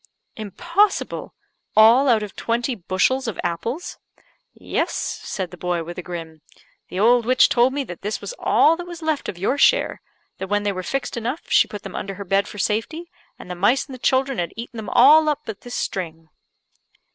"Impossible! All out of twenty bushels of apples!" "Yes," said the boy, with a grin. "The old witch told me that this was all that was left of your share; that when they were fixed enough, she put them under her bed for safety, and the mice and the children had eaten them all up but this string."